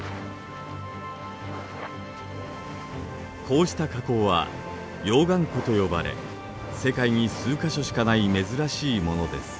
こうした火口は溶岩湖と呼ばれ世界に数か所しかない珍しいものです。